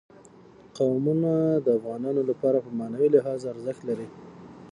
قومونه د افغانانو لپاره په معنوي لحاظ ارزښت لري.